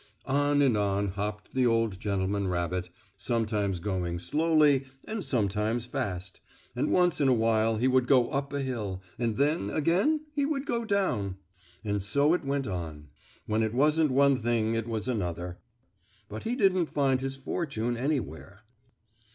On and on hopped the old gentleman rabbit, sometimes going slowly and sometimes fast, and once in a while he would go up a hill, and then, again, he would go down. And so it went on. When it wasn't one thing it was another. But he didn't find his fortune anywhere.